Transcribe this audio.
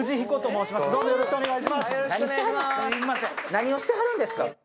何をしてはるんですか。